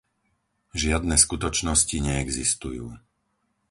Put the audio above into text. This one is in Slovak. Žiadne skutočnosti neexistujú.